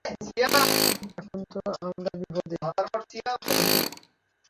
এখন তো আমরা নিরাপদ, তাই না?